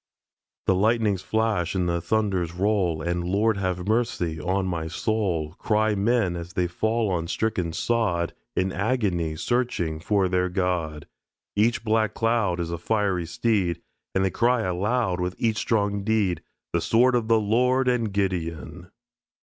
The lightnings flash and the thunders roll, And "Lord have mercy on my soul," Cry men as they fall on the stricken sod, In agony searching for their God. Each black cloud Is a fiery steed. And they cry aloud With each strong deed, "The sword of the Lord and Gideon."